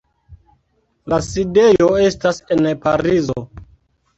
La sidejo estas en Parizo.